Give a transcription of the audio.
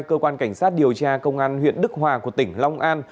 cơ quan cảnh sát điều tra công an huyện đức hòa của tỉnh long an